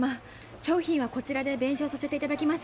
商品はこちらで弁償させていただきます。